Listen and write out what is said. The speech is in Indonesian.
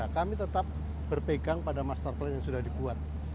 kami tetap berpegang pada master plan yang sudah dibuat